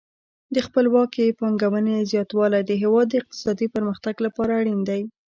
د خپلواکې پانګونې زیاتوالی د هیواد د اقتصادي پرمختګ لپاره اړین دی.